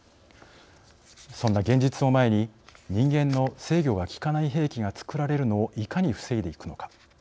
そんな現実を前に人間の制御が効かない兵器が造られるのをいかに防いでいくのか。